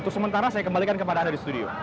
untuk sementara saya kembalikan kepada anda di studio